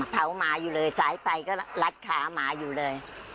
หมาอยู่เลยสายไฟก็รัดขาหมาอยู่เลย